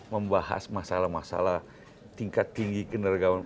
membahas masalah masalah tingkat tinggi keneragaman